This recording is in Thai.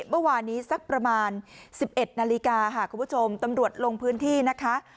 เมื่อวานนี้สักประมาณ๑๑นาฬิกาค่ะคุณผู้ชมตำรวจลงพื้นที่นะคะ